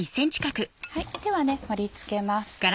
では盛り付けます。